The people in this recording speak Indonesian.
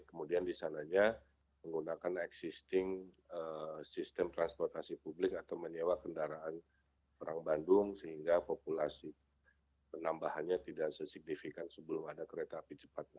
kemudian di sananya menggunakan existing sistem transportasi publik atau menyewa kendaraan perang bandung sehingga populasi penambahannya tidak sesignifikan sebelum ada kereta api cepat